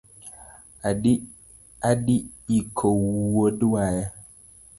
Adi iko wuod waya